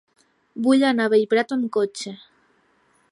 Vull anar a Bellprat amb cotxe.